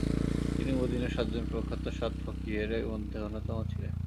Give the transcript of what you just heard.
তিনি মদীনার সাতজন প্রখ্যাত সাত ফকীহের মধ্যে অন্যতম ছিলেন।